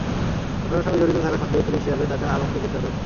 ঘটনার সঙ্গে জড়িত থাকার সন্দেহে পুলিশ সিহাবের চাচা আলমকে গ্রেপ্তার করেছে।